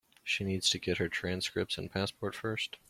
She needs to get her transcripts and passport first.